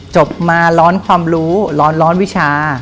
จบมาร้อนความรู้ร้อนร้อนวิชา